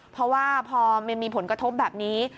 เพราะว่าพอมันมีผลกระทบแบบนี้